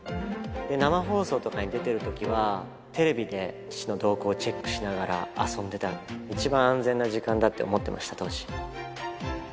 生放送とかに出てるときは、テレビで父の動向をチェックしながら遊んでた、一番安全な時間だって思ってました、当時。